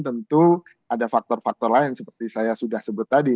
tentu ada faktor faktor lain seperti saya sudah sebut tadi